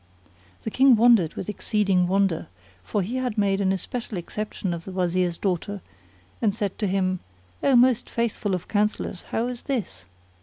The King wondered with exceeding wonder; for he had made an especial exception of the Wazir's daughter, and said to him, "O most faithful of Counsellors, how is this?